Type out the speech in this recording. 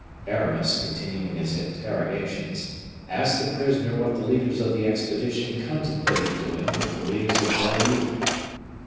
Aramis, continuing his interrogations, asked the prisoner what the leaders of the expedition contemplated doing with the leaders of Belle Isle.